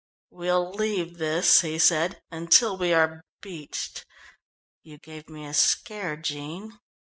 "We'll leave this," he said, "until we are beached. You gave me a scare, Jean."